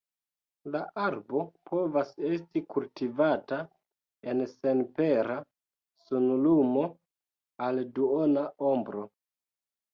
La arbo povas esti kultivata en senpera sunlumo al duona ombro.